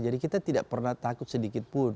jadi kita tidak pernah takut sedikitpun